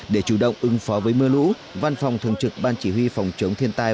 để chủ động ứng phó với mưa lũ văn phòng thường trực ban chỉ huy phòng chống thiên tai